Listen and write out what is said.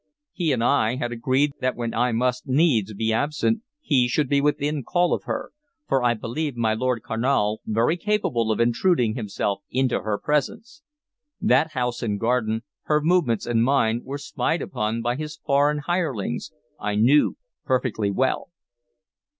He and I had agreed that when I must needs be absent he should be within call of her; for I believed my Lord Carnal very capable of intruding himself into her presence. That house and garden, her movements and mine, were spied upon by his foreign hirelings, I knew perfectly well.